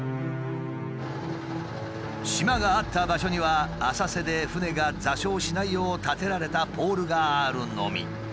島があった場所には浅瀬で船が座礁しないよう立てられたポールがあるのみ。